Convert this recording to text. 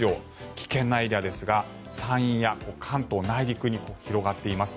危険なエリアですが山陰や関東内陸に広がっています。